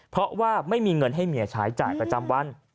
เพราะว่าไม่มีเงินให้เมียใช้จ่ายประจำวัน